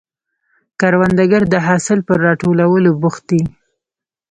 کروندګر د حاصل پر راټولولو بوخت دی